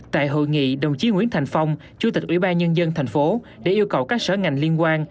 tại hội nghị đồng chí nguyễn thành phong chủ tịch ủy ban nhân dân tp hcm để yêu cầu các sở ngành liên quan